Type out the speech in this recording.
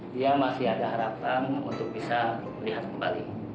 dia masih ada harapan untuk bisa melihat kembali